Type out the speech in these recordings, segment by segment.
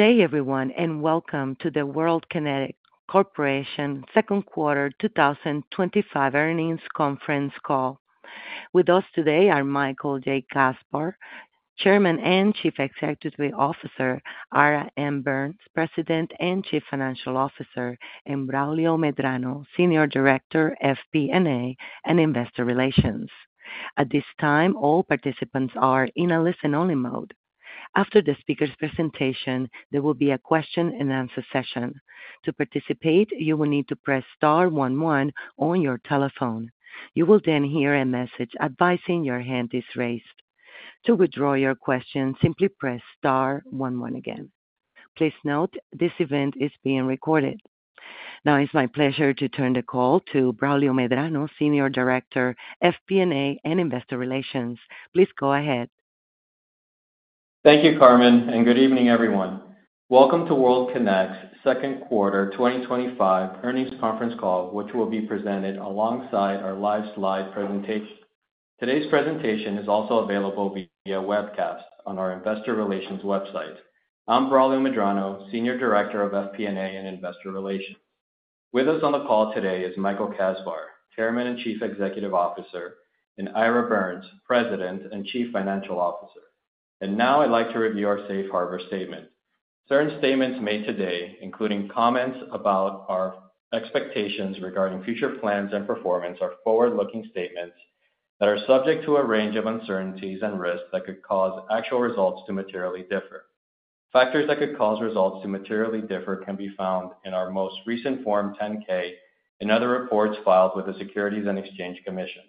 Good day everyone, and welcome to the World Kinect Corporation second quarter 2025 earnings conference call. With us today are Michael J. Kasbar, Chairman and Chief Executive Officer, Ira M. Birns, President and Chief Financial Officer, and Braulio Medrano, Senior Director, FP&A and Investor Relations. At this time, all participants are in a listen-only mode. After the speaker's presentation, there will be a question-and-answer session. To participate, you will need to press star one one on your telephone. You will then hear a message advising your hand is raised. To withdraw your question, simply press star one one again. Please note this event is being recorded. Now it's my pleasure to turn the call to Braulio Medrano, Senior Director, FP&A and Investor Relations. Please go ahead. Thank you, Carmen, and good evening, everyone. Welcome to World Kinect's second quarter 2025 earnings conference call, which will be presented alongside our live slide presentation. Today's presentation is also available via webcast on our Investor Relations website. I'm Braulio Medrano, Senior Director of FP&A and Investor Relations. With us on the call today is Michael Kasbar, Chairman and Chief Executive Officer, and Ira Birns, President and Chief Financial Officer. I would now like to review our Safe Harbor Statement. Certain statements made today, including comments about our expectations regarding future plans and performance, are forward-looking statements that are subject to a range of uncertainties and risks that could cause actual results to materially differ. Factors that could cause results to materially differ can be found in our most recent Form 10-K and other reports filed with the Securities and Exchange Commission.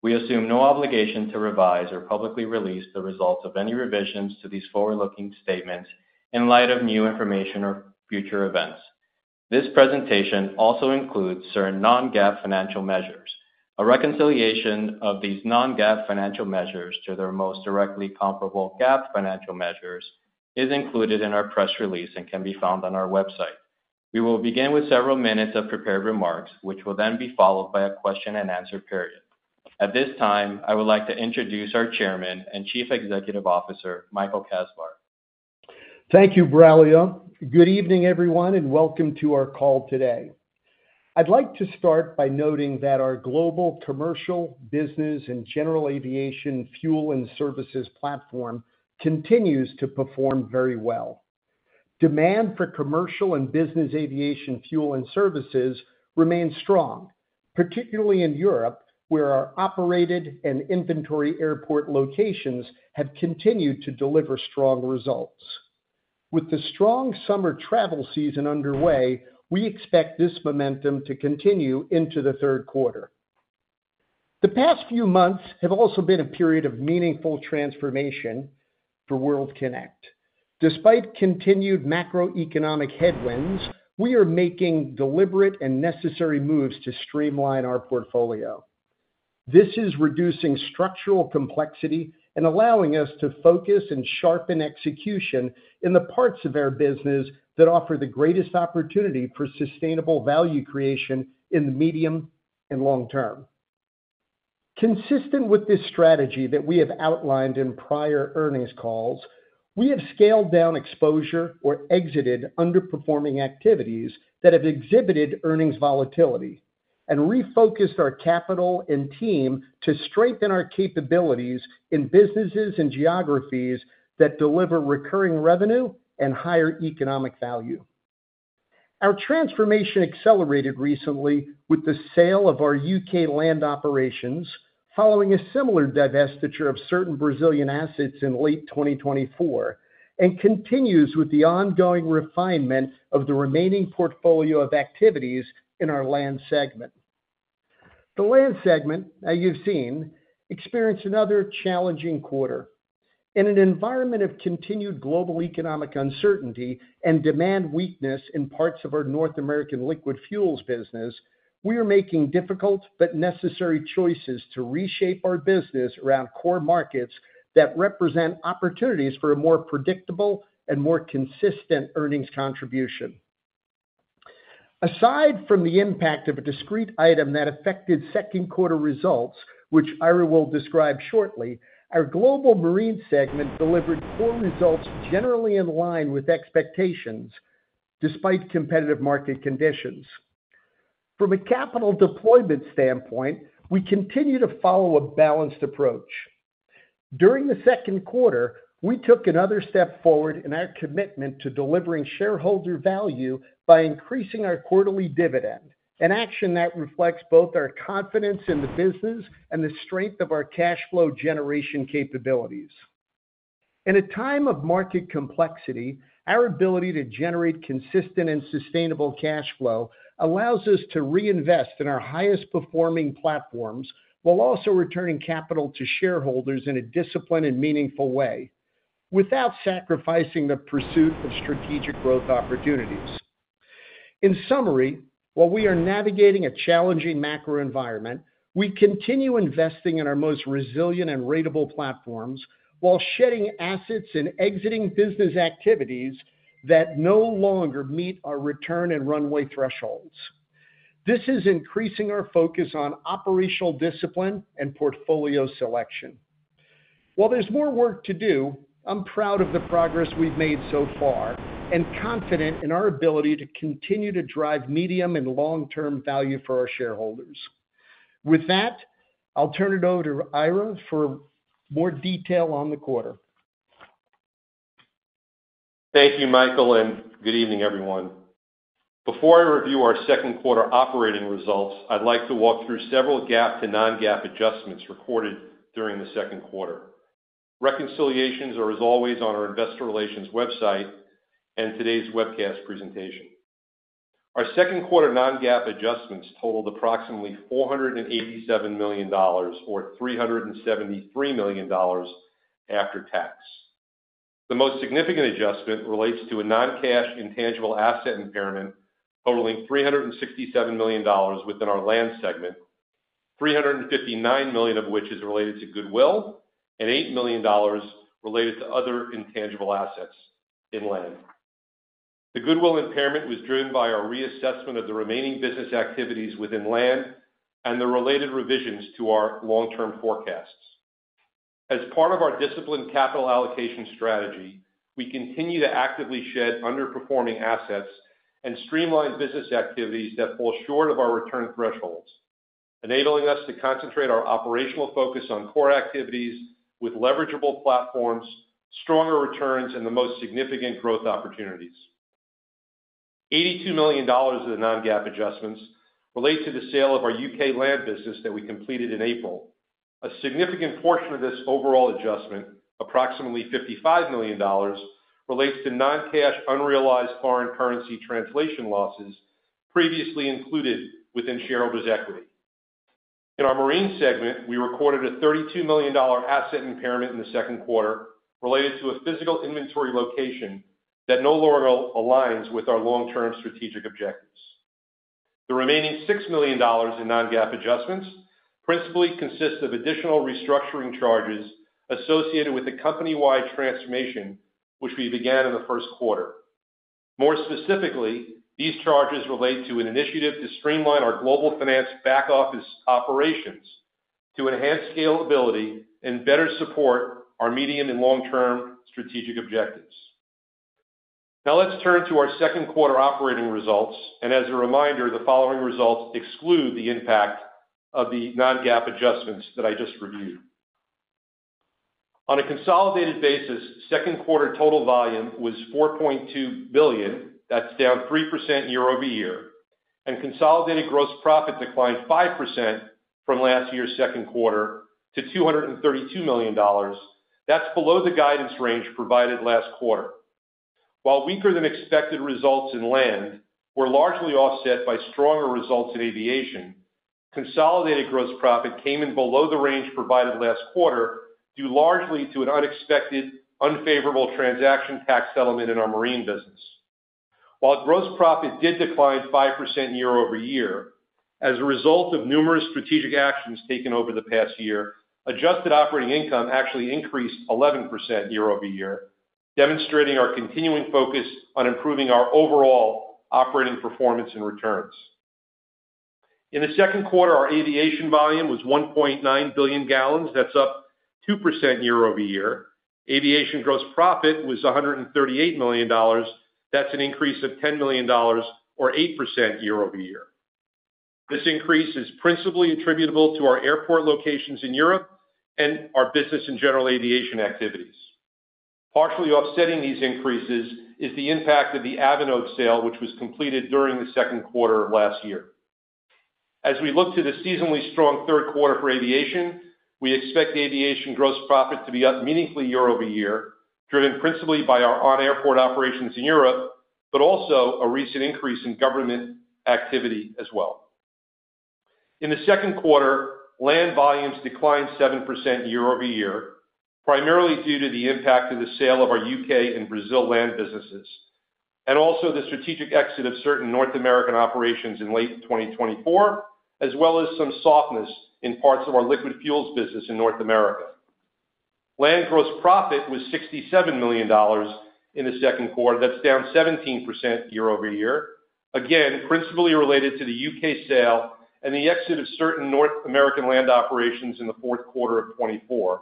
We assume no obligation to revise or publicly release the results of any revisions to these forward-looking statements in light of new information or future events. This presentation also includes certain non-GAAP financial measures. A reconciliation of these non-GAAP financial measures to their most directly comparable GAAP financial measures is included in our press release and can be found on our website. We will begin with several minutes of prepared remarks, which will then be followed by a question-and-answer period. At this time, I would like to introduce our Chairman and Chief Executive Officer, Michael Kasbar. Thank you, Braulio. Good evening, everyone, and welcome to our call today. I'd like to start by noting that our global commercial business and general aviation fuel and services platform continues to perform very well. Demand for commercial and business aviation fuel and services remains strong, particularly in Europe, where our operated and inventory airport locations have continued to deliver strong results. With the strong summer travel season underway, we expect this momentum to continue into the third quarter. The past few months have also been a period of meaningful transformation for World Kinect. Despite continued macroeconomic headwinds, we are making deliberate and necessary moves to streamline our portfolio. This is reducing structural complexity and allowing us to focus and sharpen execution in the parts of our business that offer the greatest opportunity for sustainable value creation in the medium and long term. Consistent with this strategy that we have outlined in prior earnings calls, we have scaled down exposure or exited underperforming activities that have exhibited earnings volatility and refocused our capital and team to strengthen our capabilities in businesses and geographies that deliver recurring revenue and higher economic value. Our transformation accelerated recently with the sale of our U.K. land operations, following a similar divestiture of certain Brazilian assets in late 2024, and continues with the ongoing refinement of the remaining portfolio of activities in our land segment. The land segment, as you've seen, experienced another challenging quarter. In an environment of continued global economic uncertainty and demand weakness in parts of our North American liquid fuels business, we are making difficult but necessary choices to reshape our business around core markets that represent opportunities for a more predictable and more consistent earnings contribution. Aside from the impact of a discrete item that affected second quarter results, which Ira will describe shortly, our global marine segment delivered full results generally in line with expectations despite competitive market conditions. From a capital deployment standpoint, we continue to follow a balanced approach. During the second quarter, we took another step forward in our commitment to delivering shareholder value by increasing our quarterly dividend, an action that reflects both our confidence in the business and the strength of our cash flow generation capabilities. In a time of market complexity, our ability to generate consistent and sustainable cash flow allows us to reinvest in our highest performing platforms while also returning capital to shareholders in a disciplined and meaningful way, without sacrificing the pursuit of strategic growth opportunities. In summary, while we are navigating a challenging macro environment, we continue investing in our most resilient and ratable platforms while shedding assets and exiting business activities that no longer meet our return and runway thresholds. This is increasing our focus on operational discipline and portfolio selection. While there's more work to do, I'm proud of the progress we've made so far and confident in our ability to continue to drive medium and long-term value for our shareholders. With that, I'll turn it over to Ira for more detail on the quarter. Thank you, Michael, and good evening, everyone. Before I review our second quarter operating results, I'd like to walk through several GAAP to non-GAAP adjustments recorded during the second quarter. Reconciliations are, as always, on our Investor Relations website and today's webcast presentation. Our second quarter non-GAAP adjustments totaled approximately $487 million or $373 million after tax. The most significant adjustment relates to a non-cash intangible asset impairment totaling $367 million within our land segment, $359 million of which is related to goodwill and $8 million related to other intangible assets in land. The goodwill impairment was driven by our reassessment of the remaining business activities within land and the related revisions to our long-term forecasts. As part of our disciplined capital allocation strategy, we continue to actively shed underperforming assets and streamline business activities that fall short of our return thresholds, enabling us to concentrate our operational focus on core activities with leverageable platforms, stronger returns, and the most significant growth opportunities. $82 million of the non-GAAP adjustments relate to the sale of our U.K. land business that we completed in April. A significant portion of this overall adjustment, approximately $55 million, relates to non-cash unrealized foreign currency translation losses previously included within shareholders' equity. In our marine segment, we recorded a $32 million asset impairment in the second quarter related to a physical inventory location that no longer aligns with our long-term strategic objectives. The remaining $6 million in non-GAAP adjustments principally consist of additional restructuring charges associated with the company-wide transformation, which we began in the first quarter. More specifically, these charges relate to an initiative to streamline our global finance back-office operations to enhance scalability and better support our medium and long-term strategic objectives. Now let's turn to our second quarter operating results. As a reminder, the following results exclude the impact of the non-GAAP adjustments that I just reviewed. On a consolidated basis, second quarter total volume was 4.2 billion gal. That's down 3% year-over-year, and consolidated gross profit declined 5% from last year's second quarter to $232 million. That's below the guidance range provided last quarter. While weaker than expected results in land were largely offset by stronger results in aviation, consolidated gross profit came in below the range provided last quarter, due largely to an unexpected unfavorable transaction tax settlement in our marine business. While gross profit did decline 5% year-over-year as a result of numerous strategic actions taken over the past year, adjusted operating income actually increased 11% year-over-year, demonstrating our continuing focus on improving our overall operating performance and returns. In the second quarter, our aviation volume was 1.9 billion gal. That's up 2% year-over-year. Aviation gross profit was $138 million. That's an increase of $10 million or 8% year-over-year. This increase is principally attributable to our airport locations in Europe and our business in general aviation activities. Partially offsetting these increases is the impact of the Avenotes sale, which was completed during the second quarter of last year. As we look to the seasonally strong third quarter for aviation, we expect aviation gross profit to be up meaningfully year-over-year, driven principally by our on-airport operations in Europe, but also a recent increase in government activity as well. In the second quarter, land volumes declined 7% year-over-year, primarily due to the impact of the sale of our U.K. and Brazil land businesses and also the strategic exit of certain North American operations in late 2024, as well as some softness in parts of our liquid fuels business in North America. Land gross profit was $67 million in the second quarter. That's down 17% year-over-year, again principally related to the U.K. sale and the exit of certain North American land operations in the fourth quarter of 2024,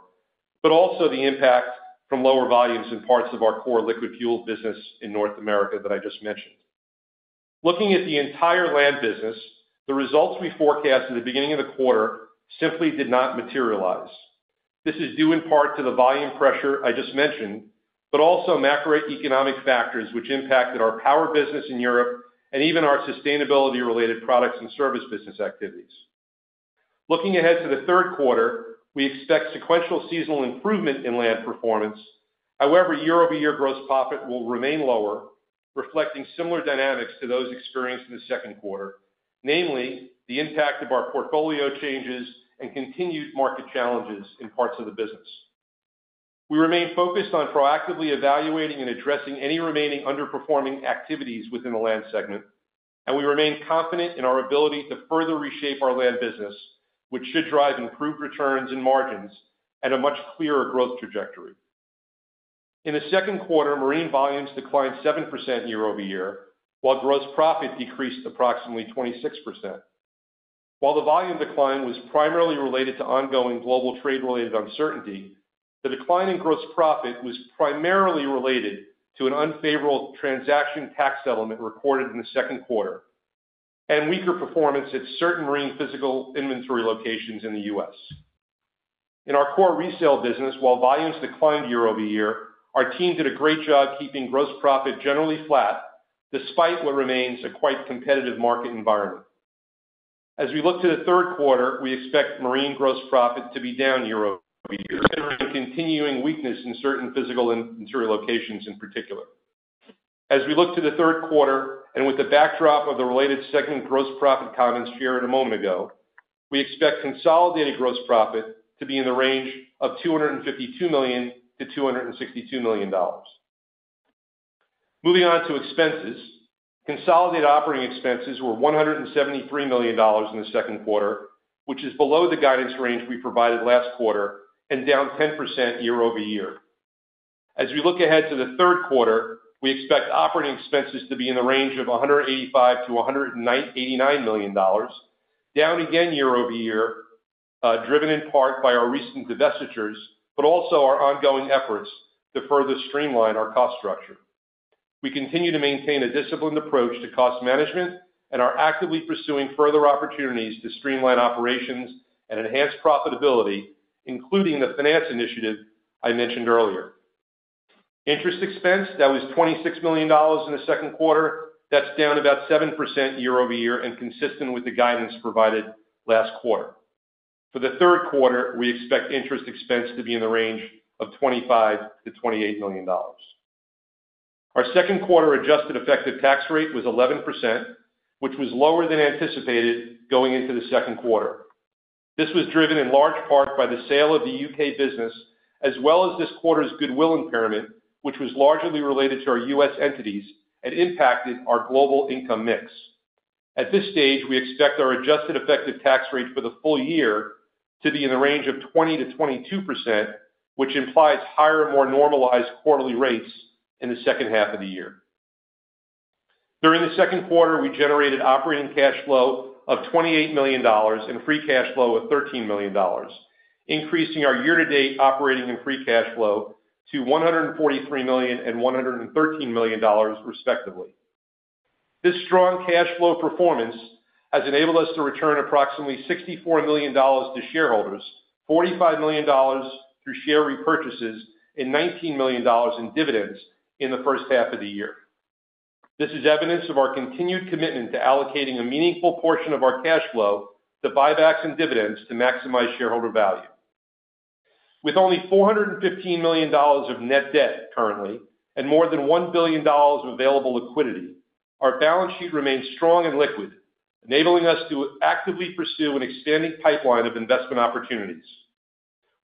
but also the impact from lower volumes in parts of our core liquid fuel business in North America that I just mentioned. Looking at the entire land business, the results we forecast in the beginning of the quarter simply did not materialize. This is due in part to the volume pressure I just mentioned, but also macroeconomic factors which impacted our power business in Europe and even our sustainability-related products and services business activities. Looking ahead to the third quarter, we expect sequential seasonal improvement in land performance. However, year-over-year gross profit will remain lower, reflecting similar dynamics to those experienced in the second quarter, namely the impact of our portfolio changes and continued market challenges in parts of the business. We remain focused on proactively evaluating and addressing any remaining underperforming activities within the land segment, and we remain confident in our ability to further reshape our land business, which should drive improved returns and margins and a much clearer growth trajectory. In the second quarter, marine volumes declined 7% year-over-year while gross profit decreased approximately 26%. While the volume decline was primarily related to ongoing global trade-related uncertainty, the decline in gross profit was primarily related to an unfavorable transaction tax settlement recorded in the second quarter and weaker performance at certain marine physical inventory locations in the U.S. In our core resale business, while volumes declined year-over-year, our team did a great job keeping gross profit generally flat despite what remains a quite competitive market environment. As we look to the third quarter, we expect marine gross profit to be down year-over-year and continuing weakness in certain physical and material locations in particular. As we look to the third quarter and with the backdrop of the related segment gross profit comments shared a moment ago, we expect consolidated gross profit to be in the range of $252 million-$262 million. Moving on to expenses, consolidated operating expenses were $173 million in the second quarter, which is below the guidance range we provided last quarter and down 10% year-over-year. As we look ahead to the third quarter, we expect operating expenses to be in the range of $185 million-$189 million, down again year-over-year, driven in part by our recent divestitures, but also our ongoing efforts to further streamline our cost structure. We continue to maintain a disciplined approach to cost management and are actively pursuing further opportunities to streamline operations and enhance profitability, including the finance initiative I mentioned earlier. Interest expense, that was $26 million in the second quarter. That's down about 7% year-over-year and consistent with the guidance provided last quarter. For the third quarter, we expect interest expense to be in the range of $25 million-$28 million. Our second quarter adjusted effective tax rate was 11%, which was lower than anticipated going into the second quarter. This was driven in large part by the sale of the U.K. business, as well as this quarter's goodwill impairment, which was largely related to our U.S. entities and impacted our global income mix. At this stage, we expect our adjusted effective tax rate for the full year to be in the range of 20%-22%, which implies higher, more normalized quarterly rates in the second half of the year. During the second quarter, we generated operating cash flow of $28 million and free cash flow of $13 million, increasing our year-to-date operating and free cash flow to $143 million and $113 million, respectively. This strong cash flow performance has enabled us to return approximately $64 million to shareholders, $45 million through share repurchases, and $19 million in dividends in the first half of the year. This is evidence of our continued commitment to allocating a meaningful portion of our cash flow to buybacks and dividends to maximize shareholder value. With only $415 million of net debt currently and more than $1 billion of available liquidity, our balance sheet remains strong and liquid, enabling us to actively pursue an expanding pipeline of investment opportunities.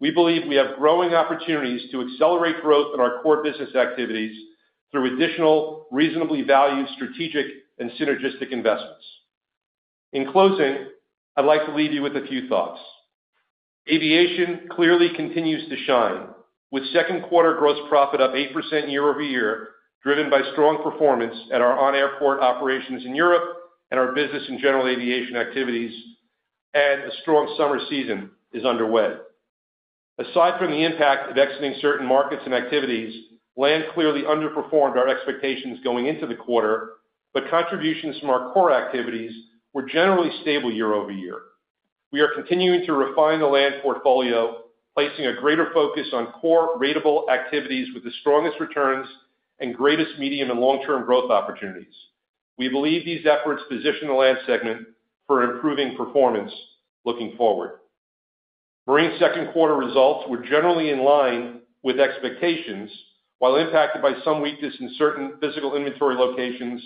We believe we have growing opportunities to accelerate growth in our core business activities through additional reasonably valued strategic and synergistic investments. In closing, I'd like to leave you with a few thoughts. Aviation clearly continues to shine, with second quarter gross profit up 8% year-over-year, driven by strong performance at our on-airport operations in Europe and our business in general aviation activities, and a strong summer season is underway. Aside from the impact of exiting certain markets and activities, land clearly underperformed our expectations going into the quarter, but contributions from our core activities were generally stable year-over-year. We are continuing to refine the land portfolio, placing a greater focus on core ratable activities with the strongest returns and greatest medium and long-term growth opportunities. We believe these efforts position the land segment for improving performance looking forward. Marine second quarter results were generally in line with expectations. While impacted by some weakness in certain physical inventory locations,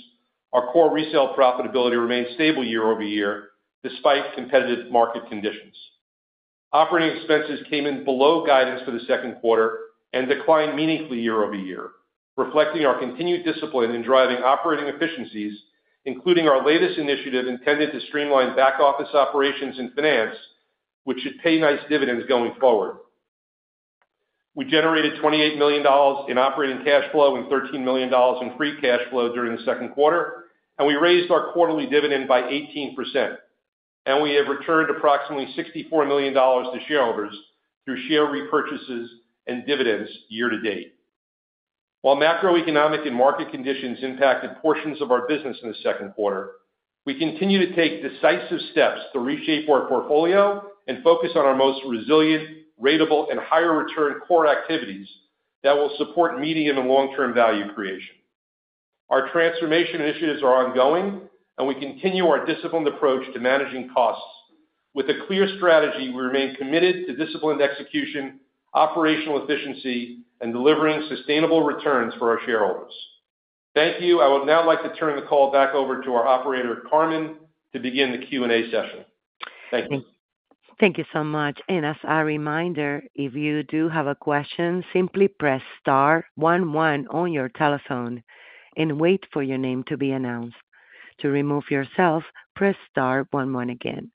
our core resale profitability remains stable year-over-year despite competitive market conditions. Operating expenses came in below guidance for the second quarter and declined meaningfully year-over-year, reflecting our continued discipline in driving operating efficiencies, including our latest initiative intended to streamline back-office operations and finance, which should pay nice dividends going forward. We generated $28 million in operating cash flow and $13 million in free cash flow during the second quarter, and we raised our quarterly dividend by 18%. We have returned approximately $64 million to shareholders through share repurchases and dividends year-to-date. While macroeconomic and market conditions impacted portions of our business in the second quarter, we continue to take decisive steps to reshape our portfolio and focus on our most resilient, ratable, and higher return core activities that will support medium and long-term value creation. Our transformation initiatives are ongoing, and we continue our disciplined approach to managing costs with a clear strategy. We remain committed to disciplined execution, operational efficiency, and delivering sustainable returns for our shareholders. Thank you. I would now like to turn the call back over to our operator, Carmen, to begin the Q&A session. Thank you. Thank you so much. As a reminder, if you do have a question, simply press star one one on your telephone and wait for your name to be announced. To remove yourself, press star one one again.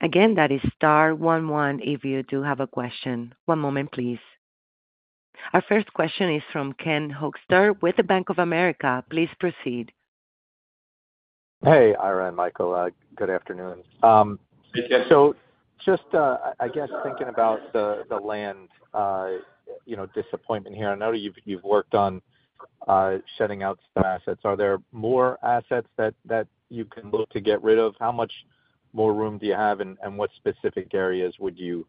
That is star one one if you do have a question. One moment, please. Our first question is from Ken Hoexter with Bank of America. Please proceed. Hey, Ira and Michael. Good afternoon. Just thinking about the land, you know, disappointment here. I know you've worked on shedding out some assets. Are there more assets that you can look to get rid of? How much more room do you have and what specific areas would you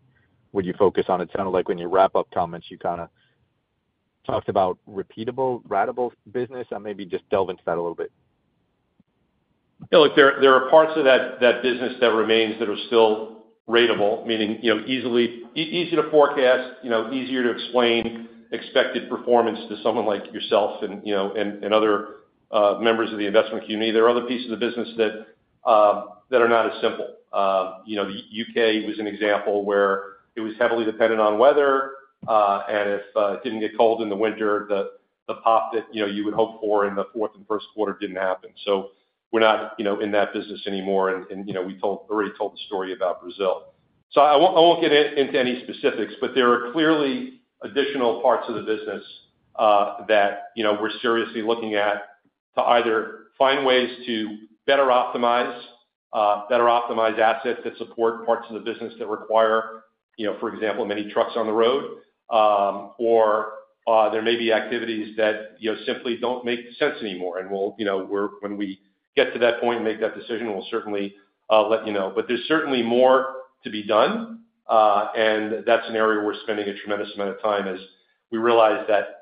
focus on? It sounded like when you wrap up comments, you kind of talked about repeatable, ratable business. Maybe just delve into that a little bit. Yeah, look, there are parts of that business that remain that are still ratable, meaning, you know, easy to forecast, easier to explain expected performance to someone like yourself and other members of the investment community. There are other pieces of the business that are not as simple. The U.K. was an example where it was heavily dependent on weather. If it didn't get cold in the winter, the pop that you would hope for in the fourth and first quarter didn't happen. We're not in that business anymore. We already told the story about Brazil, so I won't get into any specifics, but there are clearly additional parts of the business that we're seriously looking at to either find ways to better optimize assets that support parts of the business that require, for example, many trucks on the road, or there may be activities that simply don't make sense anymore. When we get to that point and make that decision, we'll certainly let you know. There's certainly more to be done. That's an area we're spending a tremendous amount of time as we realize that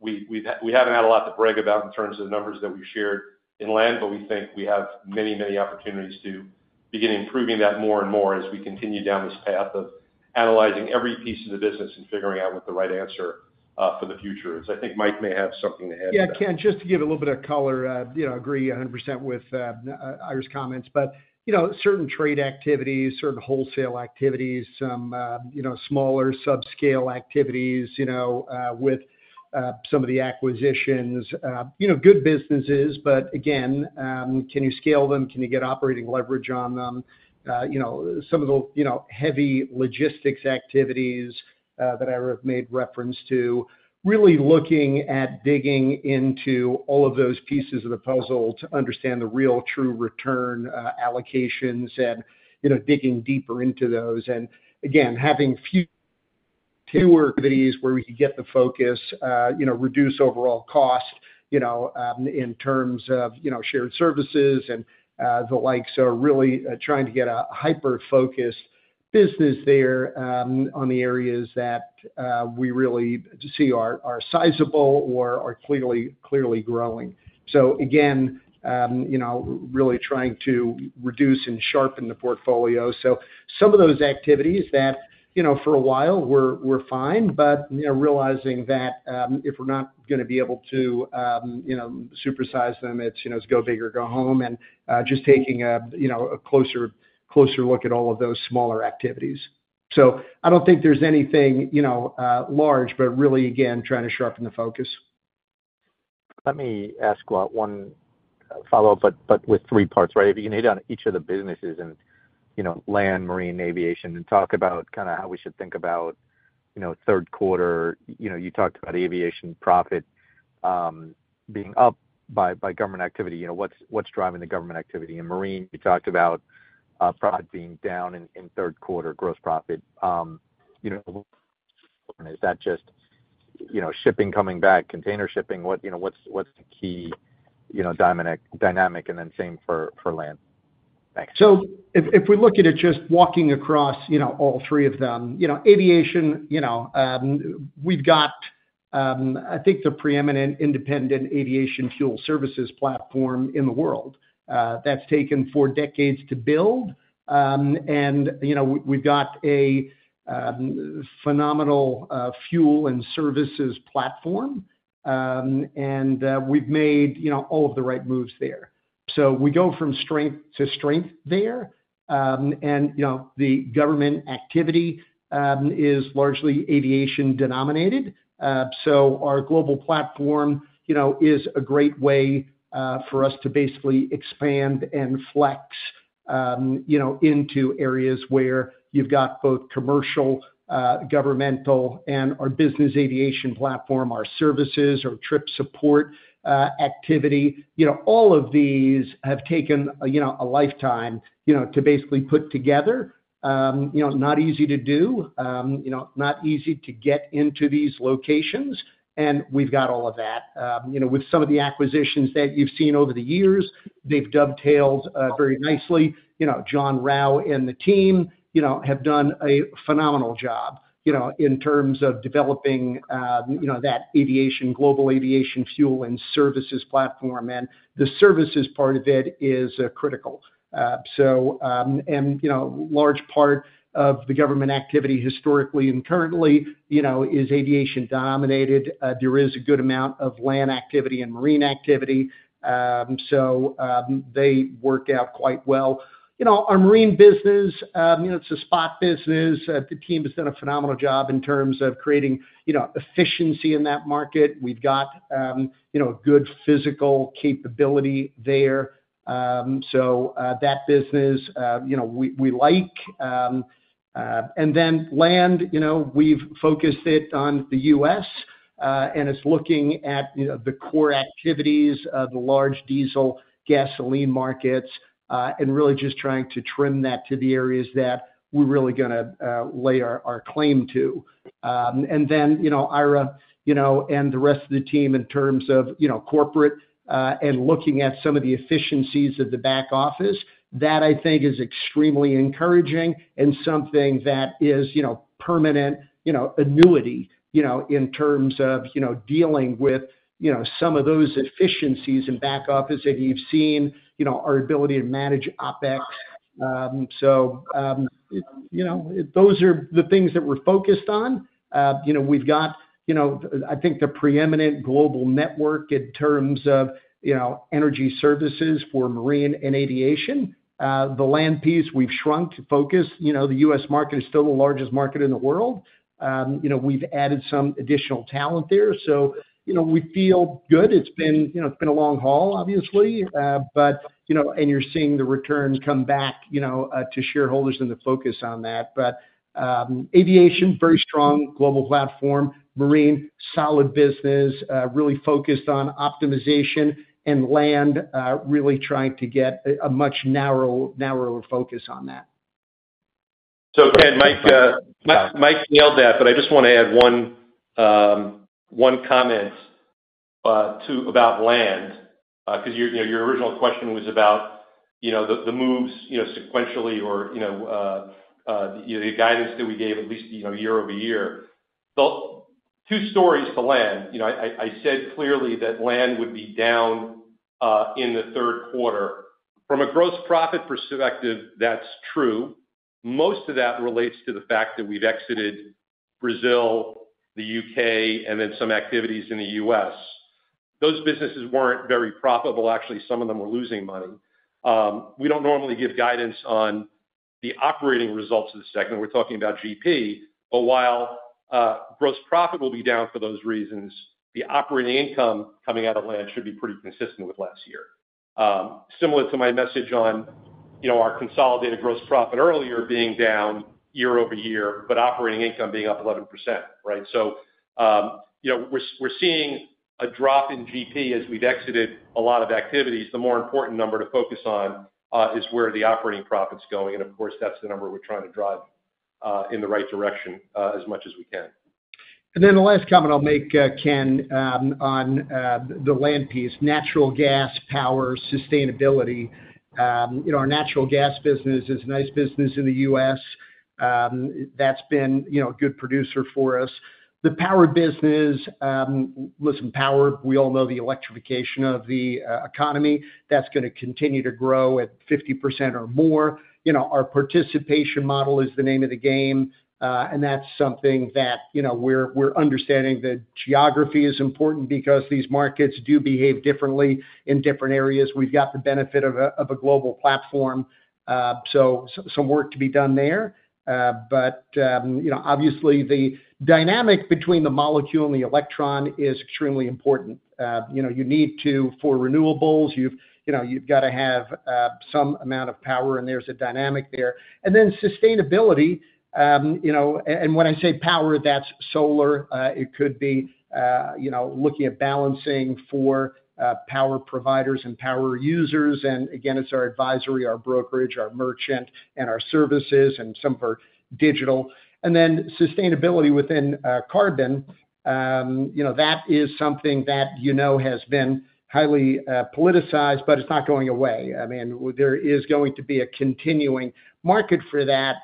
we haven't had a lot to brag about in terms of the numbers that we've shared in land, but we think we have many, many opportunities to begin improving that more and more as we continue down this path of analyzing every piece of the business and figuring out what the right answer for the future is. I think Mike may have something to add. Yeah, Ken, just to give it a little bit of color, I agree 100% with Ira's comments. Certain trade activities, certain wholesale activities, some smaller subscale activities with some of the acquisitions, good businesses, but again, can you scale them? Can you get operating leverage on them? Some of the heavy logistics activities that Ira made reference to, really looking at digging into all of those pieces of the puzzle to understand the real true return allocations and digging deeper into those. Having fewer activities where we can get the focus, reduce overall cost in terms of shared services and the like. Really trying to get a hyper-focused business there on the areas that we really see are sizable or are clearly growing. Really trying to reduce and sharpen the portfolio. Some of those activities that for a while were fine, but realizing that if we're not going to be able to supersize them, it's go big or go home and just taking a closer look at all of those smaller activities. I don't think there's anything large, but really, again, trying to sharpen the focus. Let me ask one follow-up, but with three parts, right? If you knitted on each of the businesses, you know, land, marine, and aviation, and talk about kind of how we should think about, you know, third quarter. You talked about aviation profit being up by government activity. You know, what's driving the government activity? In marine, you talked about profit being down in third quarter, gross profit. Is that just, you know, shipping coming back, container shipping? What, you know, what's the key, you know, dynamic? Then same for land. If we look at it just walking across all three of them, aviation, we've got, I think, the preeminent independent aviation fuel services platform in the world. That's taken four decades to build. We've got a phenomenal fuel and services platform, and we've made all of the right moves there. We go from strength to strength there. The government activity is largely aviation denominated, so our global platform is a great way for us to basically expand and flex into areas where you've got both commercial, governmental, and our business aviation platform, our services, our trip support activity. All of these have taken a lifetime to basically put together. Not easy to do, not easy to get into these locations, and we've got all of that. With some of the acquisitions that you've seen over the years, they've dovetailed very nicely. John Rau and the team have done a phenomenal job in terms of developing that global aviation fuel and services platform, and the services part of it is critical. A large part of the government activity historically and currently is aviation dominated. There is a good amount of land activity and marine activity, so they work out quite well. Our marine business, it's a spot business. The team has done a phenomenal job in terms of creating efficiency in that market. We've got a good physical capability there, so that business we like. Land, we've focused it on the U.S., and it's looking at the core activities of the large diesel gasoline markets and really just trying to trim that to the areas that we're really going to lay our claim to. Ira and the rest of the team in terms of corporate and looking at some of the efficiencies of the back office, that I think is extremely encouraging and something that is permanent, annuity, in terms of dealing with some of those efficiencies in back office that you've seen, our ability to manage OpEx. Those are the things that we're focused on. We've got, I think, the preeminent global network in terms of energy services for marine and aviation. The land piece we've shrunk to focus. The U.S. market is still the largest market in the world. We've added some additional talent there. We feel good. It's been a long haul, obviously. You're seeing the returns come back to shareholders and the focus on that. Aviation, very strong global platform. Marine, solid business, really focused on optimization. Land, really trying to get a much narrower focus on that. Ken, Mike nailed that, but I just want to add one comment about land because your original question was about the moves, you know, sequentially or the guidance that we gave, at least, year-over-year. Two stories to land. I said clearly that land would be down in the third quarter. From a gross profit perspective, that's true. Most of that relates to the fact that we've exited Brazil, the U.K., and then some activities in the U.S. Those businesses weren't very profitable. Actually, some of them were losing money. We don't normally give guidance on the operating results of the segment. We're talking about GP. While gross profit will be down for those reasons, the operating income coming out of land should be pretty consistent with last year. Similar to my message on our consolidated gross profit earlier being down year-over-year, but operating income being up 11%, right? We're seeing a drop in GP as we've exited a lot of activities. The more important number to focus on is where the operating profit's going. Of course, that's the number we're trying to drive in the right direction as much as we can. The last comment I'll make, Ken, on the land piece, natural gas, power, sustainability. Our natural gas business is a nice business in the U.S. That's been a good producer for us. The power business, listen, power, we all know the electrification of the economy. That's going to continue to grow at 50% or more. Our participation model is the name of the game. That's something that we're understanding, that geography is important because these markets do behave differently in different areas. We've got the benefit of a global platform. Some work to be done there. Obviously, the dynamic between the molecule and the electron is extremely important. You need to, for renewables, you've got to have some amount of power, and there's a dynamic there. Sustainability, and when I say power, that's solar. It could be looking at balancing for power providers and power users. Again, it's our advisory, our brokerage, our merchant, and our services, and some for digital. Sustainability within carbon, that is something that has been highly politicized, but it's not going away. There is going to be a continuing market for that.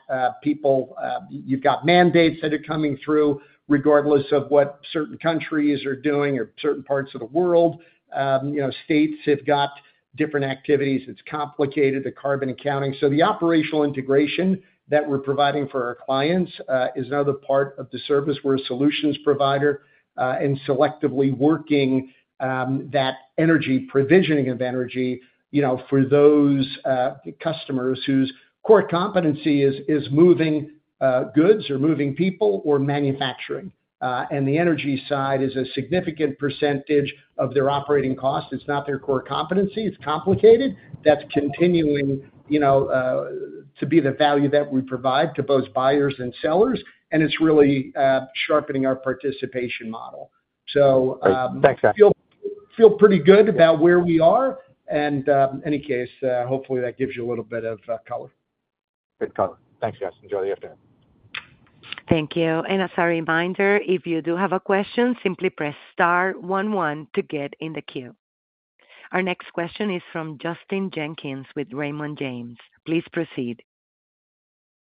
People, you've got mandates that are coming through regardless of what certain countries are doing or certain parts of the world. States have got different activities. It's complicated, the carbon accounting. The operational integration that we're providing for our clients is another part of the service. We're a solutions provider and selectively working that energy provisioning of energy for those customers whose core competency is moving goods or moving people or manufacturing. The energy side is a significant percentage of their operating cost. It's not their core competency. It's complicated. That's continuing to be the value that we provide to both buyers and sellers. It's really sharpening our participation model. I feel pretty good about where we are. In any case, hopefully, that gives you a little bit of color. Good color. Thanks, guys. Enjoy the afternoon. Thank you. As a reminder, if you do have a question, simply press star one one to get in the queue. Our next question is from Justin Jenkins with Raymond James. Please proceed.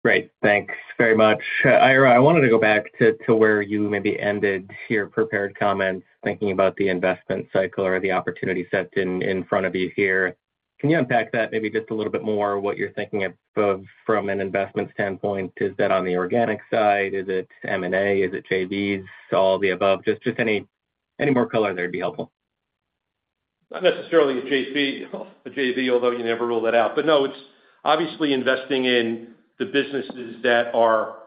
Great. Thanks very much. Ira, I wanted to go back to where you maybe ended your prepared comment, thinking about the investment cycle or the opportunities set in front of you here. Can you unpack that maybe just a little bit more? What you're thinking of from an investment standpoint, is that on the organic side? Is it M&A? Is it JVs? All the above. Just any more color there would be helpful. Not necessarily a JV, although you never rule that out. No, it's obviously investing in the businesses that are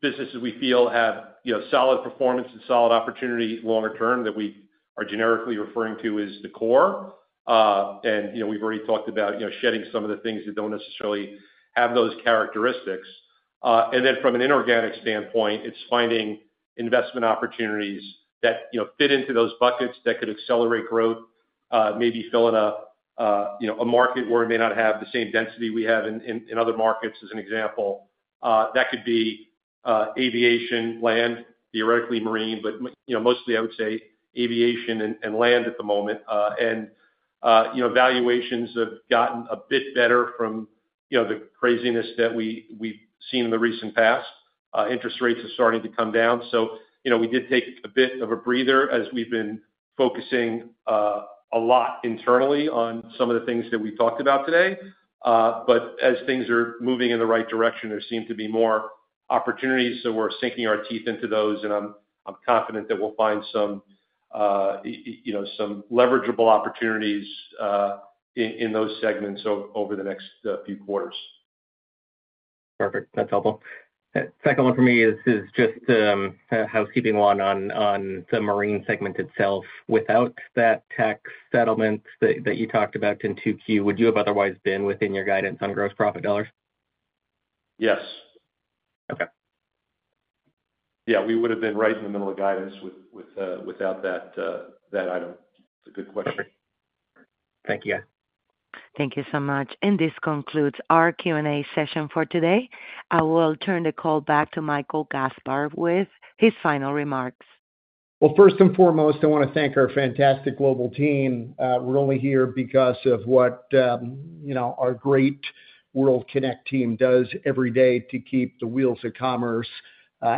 businesses we feel have, you know, solid performance and solid opportunity longer term that we are generically referring to as the core. We've already talked about shedding some of the things that don't necessarily have those characteristics. From an inorganic standpoint, it's finding investment opportunities that fit into those buckets that could accelerate growth, maybe fill in a market where it may not have the same density we have in other markets, as an example. That could be aviation, land, theoretically marine, but mostly I would say aviation and land at the moment. Valuations have gotten a bit better from the craziness that we've seen in the recent past. Interest rates are starting to come down. We did take a bit of a breather as we've been focusing a lot internally on some of the things that we talked about today. As things are moving in the right direction, there seem to be more opportunities. We're sinking our teeth into those. I'm confident that we'll find some leverageable opportunities in those segments over the next few quarters. Perfect. That's helpful. Second one for me is just a housekeeping one on the marine segment itself. Without that tax settlement that you talked about in 2Q, would you have otherwise been within your guidance on gross profit dollars? Yes. Okay. Yeah, we would have been right in the middle of guidance without that item. It's a good question. Thank you. Thank you so much. This concludes our Q&A session for today. I will turn the call back to Michael Kasbar with his final remarks. First and foremost, I want to thank our fantastic global team. We're only here because of what our great World Kinect team does every day to keep the wheels of commerce,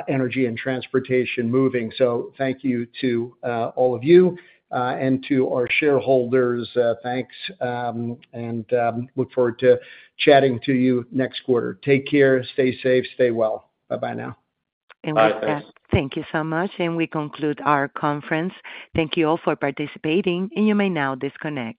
energy, and transportation moving. Thank you to all of you and to our shareholders. Thanks and look forward to chatting to you next quarter. Take care. Stay safe. Stay well. Bye-bye now. Thank you so much. We conclude our conference. Thank you all for participating, and you may now disconnect.